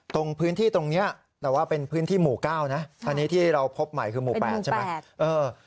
ตรงพื้นที่ตรงนี้แต่ว่าเป็นพื้นที่หมู่๙นะอันนี้ที่เราพบใหม่คือหมู่๘ใช่ไหม